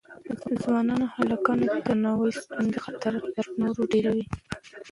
ځوانو هلکانو ته د رواني ستونزو خطر تر نورو ډېر دی.